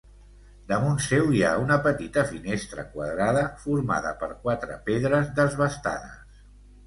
Damunt seu hi ha una petita finestra quadrada formada per quatre pedres desbastades.